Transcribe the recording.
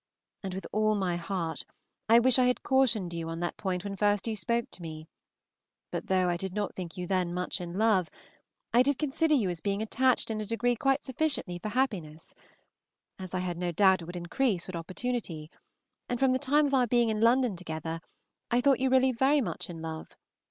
And with all my heart I wish I had cautioned you on that point when first you spoke to me; but though I did not think you then much in love, I did consider you as being attached in a degree quite sufficiently for happiness, as I had no doubt it would increase with opportunity, and from the time of our being in London together I thought you really very much in love.